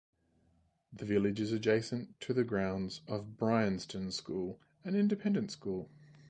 The village is adjacent to the grounds of Bryanston School, an independent school.